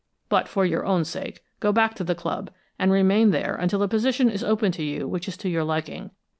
But for your own sake, go back to the club, and remain there until a position is open to you which is to your liking.